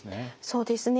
そうですね。